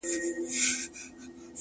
او ستا د ښكلي شاعرۍ په خاطر!!